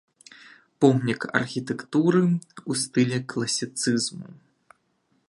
Помнік архітэктуры ў стылі класіцызму.